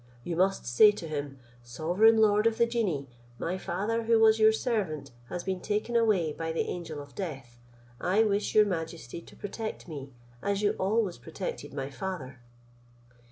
You must say to him, 'Sovereign lord of the genii, my father, who was your servant, has been taken away by the angel of death; I wish your majesty may protect me, as you always protected my father.'